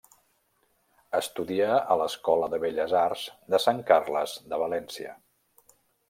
Estudià a l'Escola de Belles Arts de Sant Carles de València.